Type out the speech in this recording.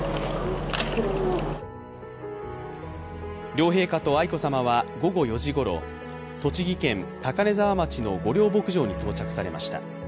両陛下と愛子さまは午後４時ごろ栃木県高根沢町の御料牧場に到着されました。